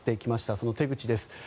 その手口です。